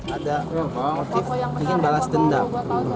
ada motif ingin balas dendam